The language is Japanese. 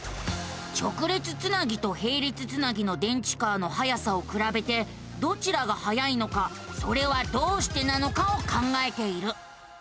直列つなぎとへい列つなぎの電池カーのはやさをくらべてどちらがはやいのかそれはどうしてなのかを考えている。